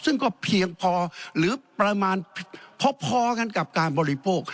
ซึ่งก็เพียงพอหรือประมาณพอกันกับการบริโภค